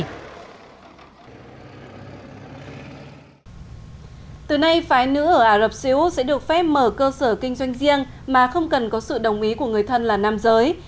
từ nay phái nữ ở ả rập xê út sẽ được phép mở cơ sở kinh doanh riêng mà không cần có sự đồng ý của người thân là nam giới